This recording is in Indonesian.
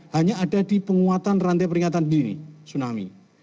hanya ada di penguatan rantai peringatan dini tsunami